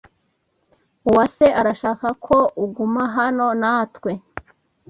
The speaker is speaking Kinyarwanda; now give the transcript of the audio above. Uwase arashaka ko uguma hano natwe.